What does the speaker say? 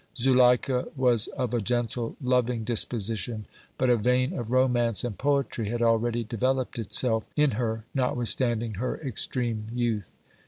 Zuleika was of a gentle, loving disposition, but a vein of romance and poetry had already developed itself in her notwithstanding her extreme youth.